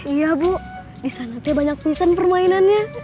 iya bu disana teh banyak pisan permainannya